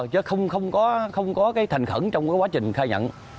chứ không có cái thành khẩn trong quá trình khai nhận